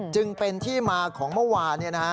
จึงเป็นที่มาของเมื่อวาน